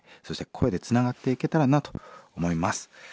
声でつながっていけたらなと思います。